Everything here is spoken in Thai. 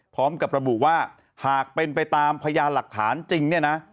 พร้อมกับระบุว่าหากเป็นไปตามพยานหลักฐานจริงเนี่ยนะ